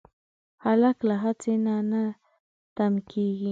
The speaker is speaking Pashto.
هلک له هڅې نه نه تم کېږي.